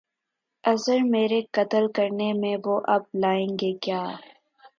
عذر میرے قتل کرنے میں وہ اب لائیں گے کیا